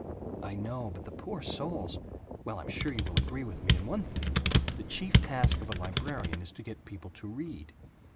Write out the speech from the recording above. "I know, but the poor souls Well, I'm sure you will agree with me in one thing: The chief task of a librarian is to get people to read."